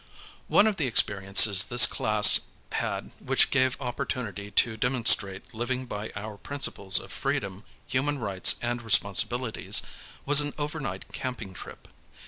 One of the experiences this class had which gave opportunity to demon strate living by our principles of freedom, human rights, and responsibilities, was an overnight camping trip.